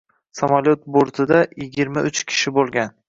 Samolyot bortidayigirma uchkishi bo‘lgan